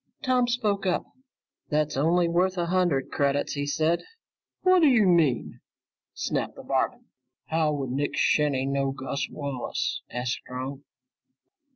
Tom spoke up. "That's only worth a hundred credits," he said. "Whaddya mean!" snapped the barman. "How would Nick Shinny know Gus Wallace?" asked Strong.